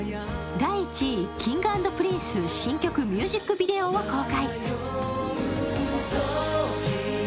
第１位、Ｋｉｎｇ＆Ｐｒｉｎｃｅ新曲ミュージックビデオを公開。